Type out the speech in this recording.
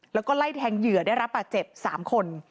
แล้วก็ไล่แทงเหยื่อได้รับบาดเจ็บ๓คน